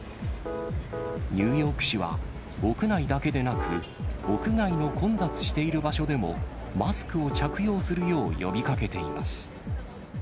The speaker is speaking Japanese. ニューヨーク市は、屋内だけでなく、屋外の混雑している場所でもマスクを着用するよう呼びかけています。